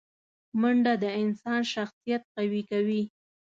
منډه د انسان شخصیت قوي کوي